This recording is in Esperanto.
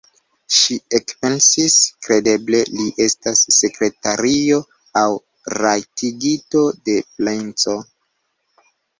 Ŝi ekpensis: kredeble li estas sekretario aŭ rajtigito de la princo!